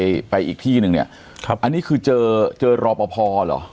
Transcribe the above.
ไปไปอีกที่หนึ่งเนี่ยครับอันนี้คือเจอเจอรอปภเหรอ